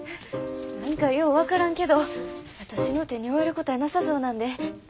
何かよう分からんけど私の手に負えることやなさそうなんで。